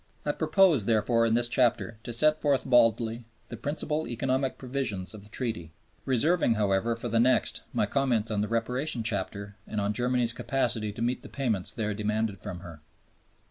I propose, therefore, in this chapter to set forth baldly the principal economic provisions of the Treaty, reserving, however, for the next my comments on the Reparation Chapter and on Germany's capacity to meet the payments there demanded from her.